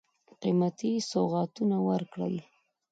قېمتي سوغاتونه ورکړل.